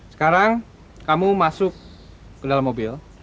sekarang kamu masuk ke dalam mobil